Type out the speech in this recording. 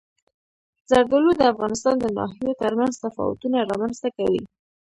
زردالو د افغانستان د ناحیو ترمنځ تفاوتونه رامنځ ته کوي.